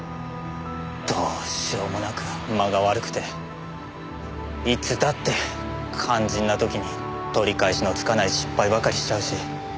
どうしようもなく間が悪くていつだって肝心な時に取り返しのつかない失敗ばかりしちゃうし。